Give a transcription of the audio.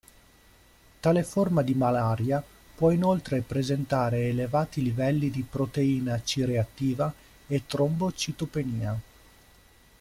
Tale forma di malaria può inoltre presentare elevati livelli di proteina C-reattiva e trombocitopenia.